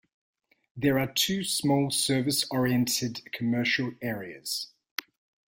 There are two small service-oriented commercial areas.